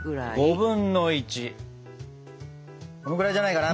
５分の１。このぐらいじゃないかな？